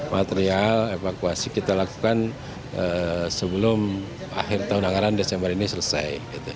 material evakuasi kita lakukan sebelum akhir tahun anggaran desember ini selesai